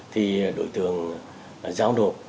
thì đối tượng giao nộp